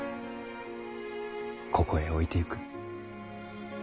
ここへ置いてゆく。